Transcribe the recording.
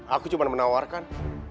aku cuma menawarkan